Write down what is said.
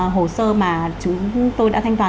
hồ sơ mà chúng tôi đã thanh toán